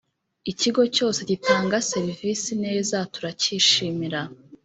ikigo cyose gitanga servisi neza tura kishimira